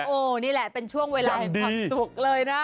ฐกโรงเรียนนี่แหละนี่แหละเป็นช่วงเวลาความสุขเลยนะ